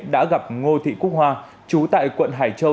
đã gặp ngô thị quốc hoa chú tại quận hải châu